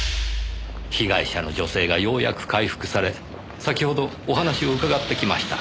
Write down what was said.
被害者の女性がようやく回復され先ほどお話を伺ってきました。